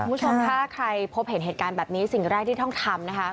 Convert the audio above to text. คุณผู้ชมถ้าใครพบเห็นเหตุการณ์แบบนี้สิ่งแรกที่ต้องทำนะคะ